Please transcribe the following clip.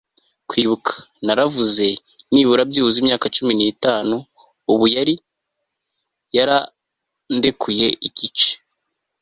kwibuka, 'naravuze. 'nibura byibuze imyaka cumi n'itanu ...' ubu yari yarandekuye igice